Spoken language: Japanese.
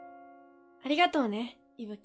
ありがとうね息吹。